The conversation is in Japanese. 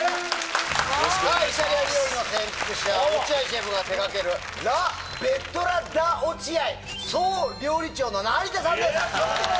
イタリア料理の先駆者落合シェフが手がけるラ・ベットラ・ダ・オチアイ総料理長の成田さんです。